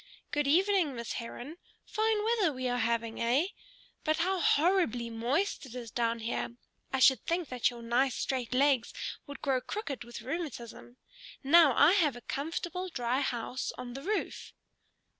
"Good evening, Miss Heron. Fine weather we are having, eh? But how horribly moist it is down here! I should think that your nice straight legs would grow crooked with rheumatism. Now I have a comfortable, dry house on the roof."